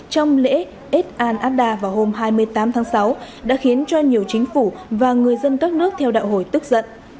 trong lễ eid al adha vào hôm hai mươi tám tháng sáu đã khiến cho nhiều chính phủ và người dân các nước theo đạo hồi tức giận